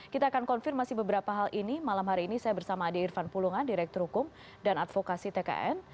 kita akan konfirmasi beberapa hal ini malam hari ini saya bersama ade irfan pulungan direktur hukum dan advokasi tkn